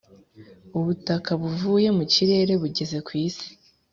ubutaka buvuye mukirere bugeze ku Isi